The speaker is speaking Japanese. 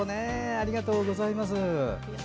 ありがとうございます。